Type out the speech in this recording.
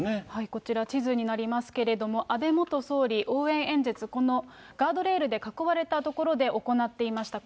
こちら、地図になりますけれども、安倍元総理、応援演説、このガードレールで囲われた所で行っていました。